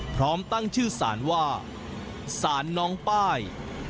พร้อมตั้งชื่อสารว่าสารน้องป้าย